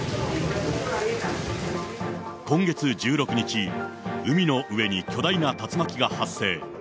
今月１６日、海の上に巨大な竜巻が発生。